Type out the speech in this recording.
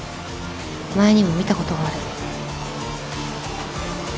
前にも見たことがある